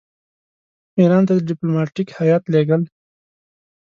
ایران ته ډیپلوماټیک هیات لېږل.